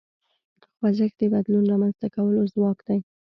خوځښت د بدلون رامنځته کولو ځواک دی.